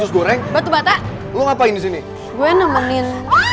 goreng batu bata lu ngapain disini gue nemenin